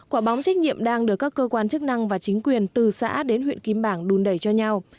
quả bóng trách nhiệm đang được các cơ quan chức năng và chính quyền từ xã đến huyện kim bảng đùn đẩy cho nhau